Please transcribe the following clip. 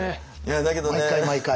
毎回毎回。